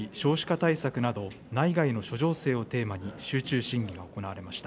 対策など、内外の諸情勢をテーマに集中審議が行われました。